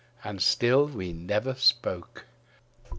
And still we never spoke.